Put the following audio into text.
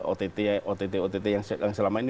ott ott ott yang selama ini